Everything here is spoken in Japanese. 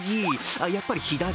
やっぱり左？